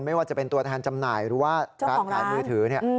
ไม่ว่าจะเป็นตัวทางจำหน่ายหรือว่าการมือถือเนี่ย